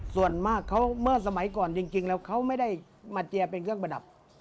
ส่วนมากเขาเมื่อสมัยก่อนจริงแล้วเขาไม่ได้มาเจียร์เป็นเครื่องประดับ